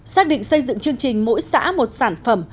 xác định xây dựng chương trình mỗi xã một sản phẩm